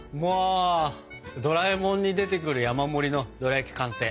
ドラえもんに出てくる山盛りのドラやき完成。